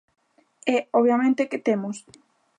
E, obviamente, ¿que temos?